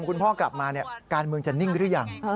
คุณพ่อกลับมาการเมืองจะนิ่งหรือยัง